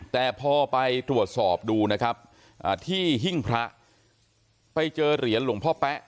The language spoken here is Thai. แต่พอไปตรวจสอบดูนะครับที่หิ้งพระไปเจอเหรียญหลวงพ่อแป๊ะ